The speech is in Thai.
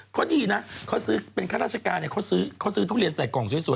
เขาดีนะเขาซื้อเป็นข้าราชการเนี่ยเขาซื้อทุเรียนใส่กล่องสวย